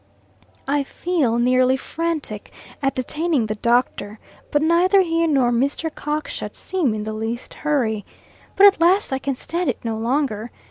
I feel nearly frantic at detaining the Doctor, but neither he nor Mr. Cockshut seem in the least hurry. But at last I can stand it no longer.